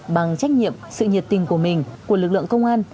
bằng trách nhiệm sự nhiệt tình của mình của lực lượng công an